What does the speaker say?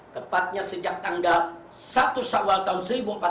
kepatnya sejak tanggal satu awal tahun seribu empat ratus tiga puluh sembilan